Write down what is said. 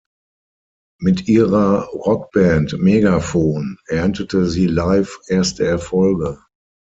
Mit ihrer Rockband "Megaphon" erntete sie live erste Erfolge.